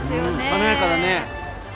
華やかだね。